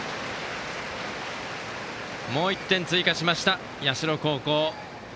もう１点追加しました、社高校。